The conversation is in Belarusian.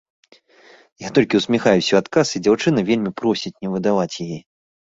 Я толькі ўсміхаюся ў адказ, і дзяўчына вельмі просіць не выдаваць яе.